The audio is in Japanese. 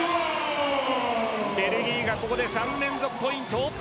ベルギーがここで３連続ポイント。